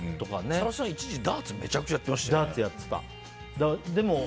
設楽さん、一時ダーツめちゃくちゃやってましたよね。